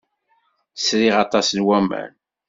Sriɣ aṭas n waman.